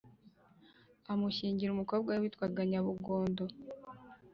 amushyingira umukobwa we witwaga nyabugondo.